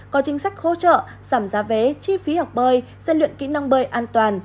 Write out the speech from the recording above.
có chính sách hỗ trợ giảm giá vé chi phí học bơi xen luyện kỹ năng bơi an toàn